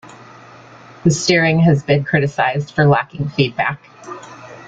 The steering has been criticised for lacking feedback.